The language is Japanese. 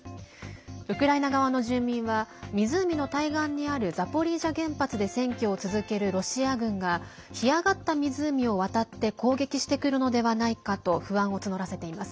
ウクライナ側の住民は湖の対岸にあるザポリージャ原発で占拠を続けるロシア軍が干上がった湖を渡って攻撃してくるのではないかと不安を募らせています。